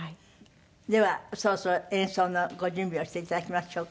ではそろそろ演奏のご準備をして頂きましょうか。